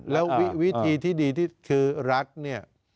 แล้ววิธีที่ดีที่สุดคือรัฐเนี่ย